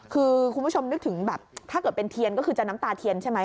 คือคุณผู้ชมนึกถึงแบบถ้าเกิดเป็นเทียนก็คือจะน้ำตาเทียนใช่ไหม